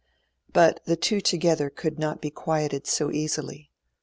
But the two together could not be quieted so easily.